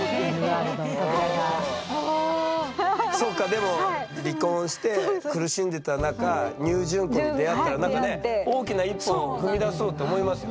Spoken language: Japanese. でも離婚して苦しんでた中ＮＥＷ淳子に出会ったらなんかね大きな一歩を踏み出そうと思いますよね？